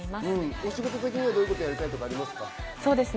お仕事的にはどういうことをやりたいですか？